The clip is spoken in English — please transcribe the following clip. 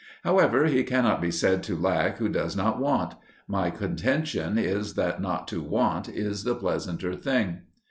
However, he cannot be said to lack who does not want: my contention is that not to want is the pleasanter thing.